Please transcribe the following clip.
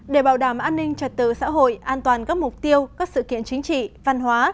để bảo đảm an ninh trật tự xã hội an toàn các mục tiêu các sự kiện chính trị văn hóa